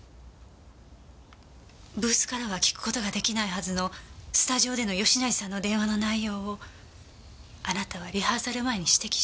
ブースからは聞く事が出来ないはずのスタジオでの吉成さんの電話の内容をあなたはリハーサル前に指摘した。